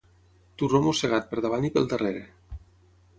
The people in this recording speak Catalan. Torró mossegat per davant i pel darrere.